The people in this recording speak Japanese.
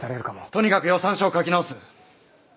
とにかく予算書を書き直す。